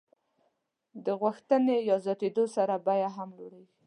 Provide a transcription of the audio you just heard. د غوښتنې په زیاتېدو سره بیه هم لوړېږي.